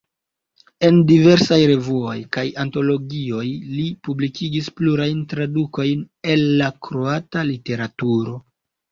En diversaj revuoj kaj antologioj li publikigis plurajn tradukojn el la kroata literaturo.